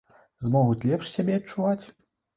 Змогуць лепш сябе адчуваць?